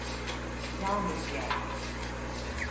Yalnız geldim.